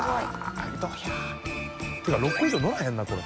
田渕）ていうか６個以上のらへんなこれ。